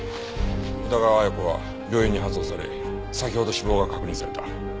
宇田川綾子は病院に搬送され先ほど死亡が確認された。